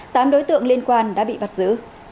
tám đối tượng liên quan đã bị bắt giữ